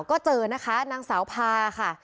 ก็เจอนะคะนางสาวพาค่ะ